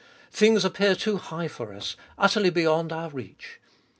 Things appear too high for us, utterly beyond our reach.